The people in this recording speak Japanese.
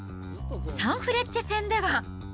サンフレッチェ戦では。